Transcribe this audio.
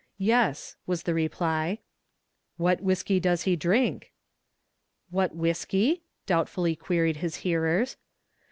"Yes," was the reply. "What whiskey does he drink?" "What whiskey?" doubtfully queried his hearers.